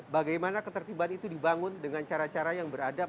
bagaimana ketertiban itu dibangun dengan cara cara yang beradab